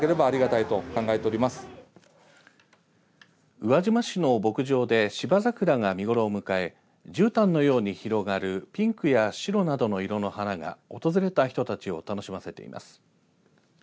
宇和島市の牧場で芝桜が見頃を迎えじゅうたんのように広がるピンクや白などの色の花が訪れた人たちを楽しませています。